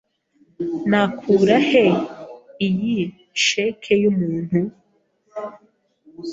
Nakura he iyi cheque yumuntu?